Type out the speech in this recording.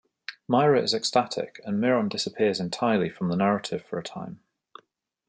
Myra is ecstatic and Myron disappears entirely from the narrative for a time.